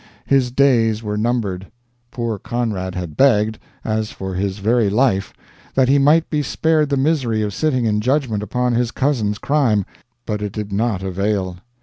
His days were numbered. Poor Conrad had begged, as for his very life, that he might be spared the misery of sitting in judgment upon his cousin's crime, but it did not avail.